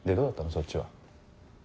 そっちは。